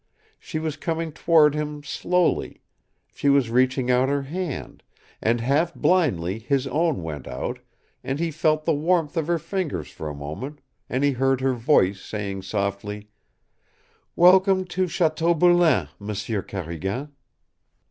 She was coming toward him slowly; she was reaching out her hand, and half blindly his own went out, and he felt the warmth of her fingers for a moment, and he heard her voice saying softly, "Welcome to Chateau Boulain, M'sieu Carrigan."